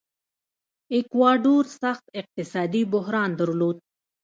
ایکواډور سخت اقتصادي بحران درلود.